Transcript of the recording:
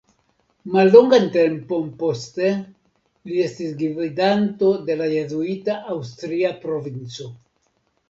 Mallongan tempon poste li iĝis gvidanto de la jezuita Aŭstria Provinco.